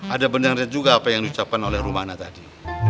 ada benarnya juga apa yang diucapkan oleh rumana tadi